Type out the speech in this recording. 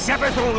ambaran tolong aku